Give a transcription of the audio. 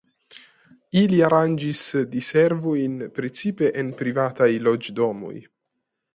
Ili aranĝis diservojn precipe en privataj loĝdomoj.